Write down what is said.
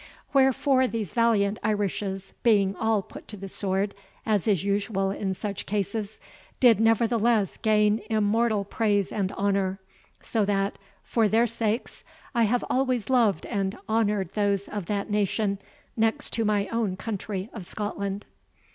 Wherefore these valiant Irishes, being all put to the sword, as is usual in such cases, did nevertheless gain immortal praise and honour; so that, for their sakes, I have always loved and honoured those of that nation next to my own country of Scotland."